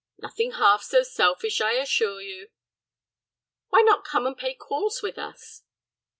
"Nothing half so selfish, I assure you." "Why not come and pay calls with us?"